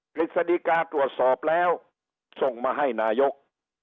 กฤษฎิกาตรวจสอบแล้วส่งมาให้นายก